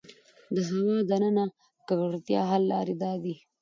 د هـوا د نـه ککـړتيا حـل لـارې دا دي: